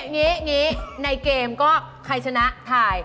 นี่ในเกมก็ใครชนะถ่าย